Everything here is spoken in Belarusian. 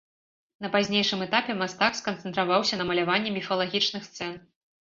На пазнейшым этапе мастак сканцэнтраваўся на маляванні міфалагічных сцэн.